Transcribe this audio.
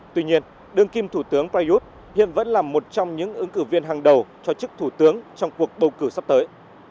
tuy nhiên đương kim thủ tướng prayuth hiện vẫn là một trong những ứng cử viên hàng đầu cho chức thủ tướng trong cuộc bầu cử sắp tới